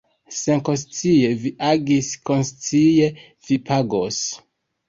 Senkonscie vi agis, konscie vi pagos.